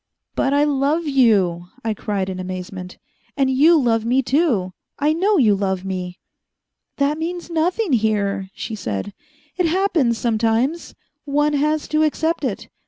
"But I love you," I cried in amazement. "And you love me, too. I know you love me." "That means nothing here," she said. "It happens sometimes. One has to accept it.